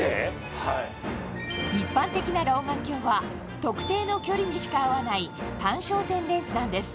一般的な老眼鏡は特定の距離にしか合わない単焦点レンズなんです